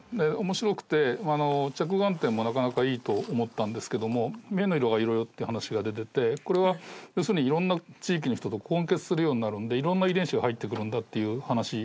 面白くて着眼点もなかなかいいと思ったんですけども目の色がいろいろっていう話が出ててこれは要するにいろんな地域の人と混血するようになるんでいろんな遺伝子が入ってくるんだっていう話でしょ？